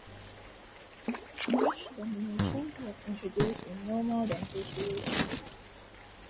Each denomination was introduced in no more than two series.